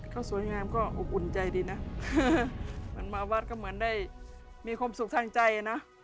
เขาสวยงามก็อบอุ่นใจดีนะมันมาวัดก็เหมือนได้มีความสุขทางใจนะ